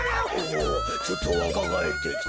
おおちょっとわかがえってきた。